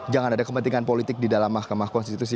jangan ada kepentingan politik di dalam mahkamah konstitusi